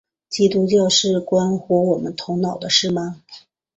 基督教是关乎我们头脑的事吗？